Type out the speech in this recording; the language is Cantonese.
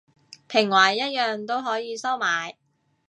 評委一樣都可以收買